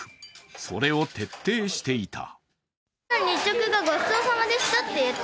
それを徹底していた。